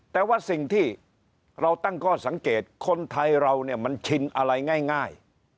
แต่ว่าสิ่งที่เราตั้งข้อสังเกตคนไทยเราเนี่ยมันชินอะไรง่าย